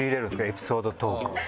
エピソードトーク。